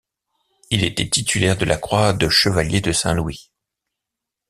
Il était titulaire de la croix de chevalier de Saint-Louis.